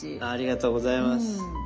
ありがとうございます。